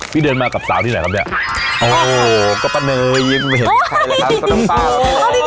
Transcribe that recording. พี่เดินมากับสาวที่ไหนครับเนี้ยโอ้ก็ปะเนยยิ้มไม่เห็นใครแล้วค่ะขนมฟ้า